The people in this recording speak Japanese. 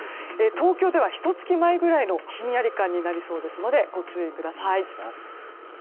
東京ではひと月前くらいのひんやり感になりそうですのでご注意ください。